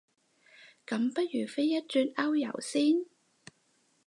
咁不如飛一轉歐遊先